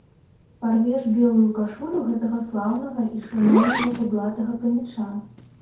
Парвеш белую кашулю гэтага слаўнага і шаноўнага кудлатага паніча!